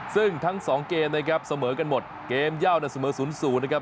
ซึ่งทั้งสองเกมนะครับเสมอกันหมดเกมเย่าเนี่ยเสมอ๐๐นะครับ